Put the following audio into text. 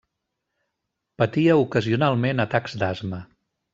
Patia ocasionalment atacs d'asma.